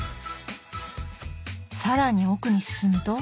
さらに奥に進むと。